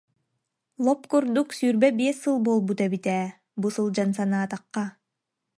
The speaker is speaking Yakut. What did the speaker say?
Лоп курдук сүүрбэ биэс сыл буолбут эбит ээ, бу сылдьан санаатахха